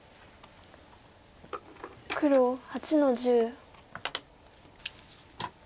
黒８の十。